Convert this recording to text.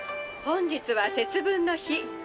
「本日は節分の日。